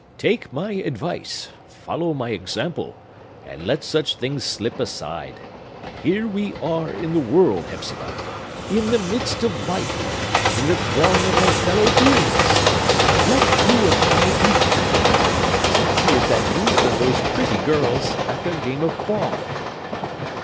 Take my advice,—follow my example,—and let such things slip aside. Here we are, in the world, Hepzibah!—in the midst of life!—in the throng of our fellow beings! Let you and I be happy! As happy as that youth and those pretty girls, at their game of ball!"